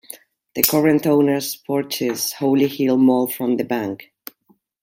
The current owners purchased Holly Hill Mall from the bank.